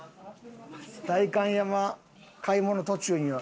代官山買い物途中には。